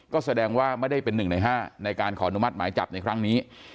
ก็แสดงว่าไม่ได้เป็น๑ใน๕ในการขออนุมัติหมายจับในครั้งนี้